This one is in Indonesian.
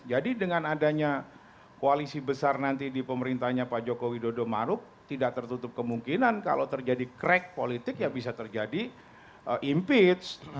jadi dengan adanya koalisi besar nanti di pemerintahnya pak jokowi dodo marup tidak tertutup kemungkinan kalau terjadi crack politik ya bisa terjadi impeach